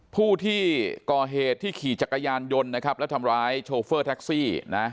ผู้ที่ก่อเหตุที่ขี่จักรยานยนต์นะครับแล้วทำร้ายโชเฟอร์แท็กซี่นะ